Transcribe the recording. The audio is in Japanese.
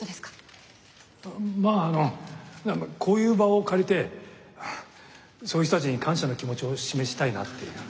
まぁあのこういう場を借りてそういう人たちに感謝の気持ちを示したいなっていう。